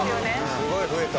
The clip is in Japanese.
すごい増えた。